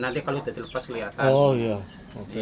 nanti kalau sudah dilepas kelihatan